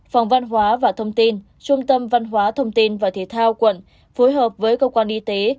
phòng văn hóa và thông tin trung tâm văn hóa thông tin và thể thao quận phối hợp với cơ quan y tế